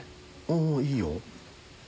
おいいよ。